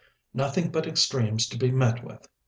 nothing but extremes to be met with!